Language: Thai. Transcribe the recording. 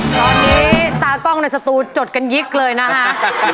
ตอนนี้ตากล้องในสตูจดกันยิกเลยนะฮะ